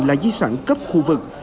là di sản cấp khu vực